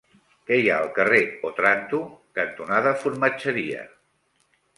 Què hi ha al carrer Òtranto cantonada Formatgeria?